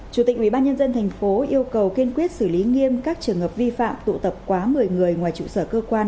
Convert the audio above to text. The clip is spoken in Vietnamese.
chủ tịch ubnd tp yêu cầu kiên quyết xử lý nghiêm các trường hợp vi phạm tụ tập quá một mươi người ngoài trụ sở cơ quan